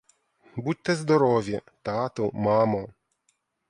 Будьте здорові, тату, мамо!